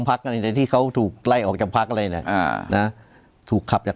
พักกันที่เขาถูกไล่ออกจากพักอะไรเนี่ยอ่านะถูกขับจาก